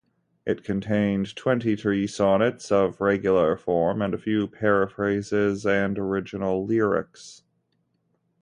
It contained twenty-three sonnets, of regular form, and a few paraphrases and original lyrics.